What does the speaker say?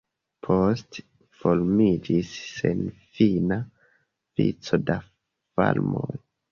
Poste formiĝis senfina vico da farmoj.